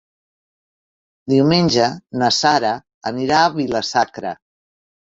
Diumenge na Sara anirà a Vila-sacra.